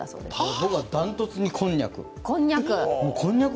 僕はダントツにこんにゃく。